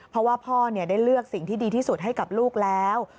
เพราะว่าพ่อได้เลือกสิ่งที่ดีที่สุดให้กับลูกแล้ว